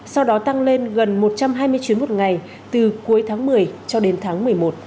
sau đó tăng lên gần một trăm hai mươi chuyến một ngày từ cuối tháng một mươi cho đến tháng một mươi một